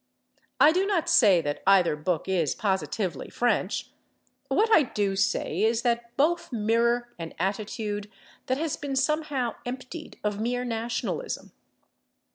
I do not say that either book is positively French; what I do say is that both mirror an attitude that has been somehow emptied of mere nationalism.